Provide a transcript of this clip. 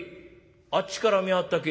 「あっちからみゃあったけ」。